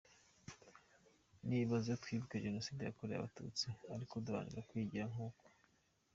Nibaze twibuke Jenoside yakorewe Abatutsi ariko duharanire kwigira nkuko.